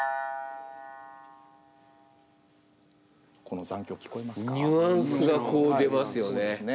この残響聞こえますか？